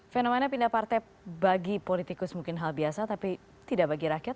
fenomena pindah partai bagi politikus mungkin hal biasa tapi tidak bagi rakyat